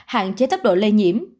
hạn chế tốc độ lây nhiễm